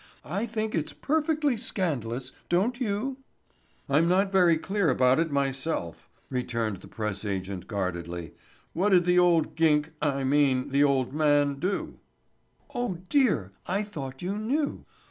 I think it's perfectly scandalous, don't you?" "I'm not very clear about it myself," returned the press agent guardedly. "What'd the old gink—I mean the old man do?" "Oh, dear, I thought you knew.